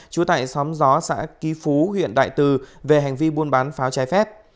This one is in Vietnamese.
trú tại xóm gió xã ký phú huyện đại từ về hành vi buôn bán pháo trái phép